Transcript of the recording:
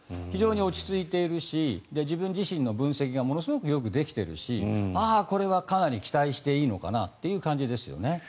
非常に落ち着いているし自分自身の分析がものすごくよくできているしこれはかなり期待していいのかなという感じですね。